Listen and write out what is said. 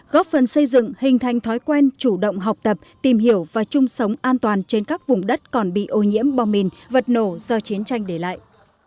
góp phần xây dựng hình thành thói quen chủ động học tập tìm hiểu và chung sống an toàn trên các vùng đất còn bị ô nhiễm bom mìn vật nổ do chiến tranh để lại